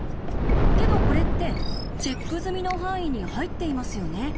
けどこれってチェック済みの範囲に入っていますよね。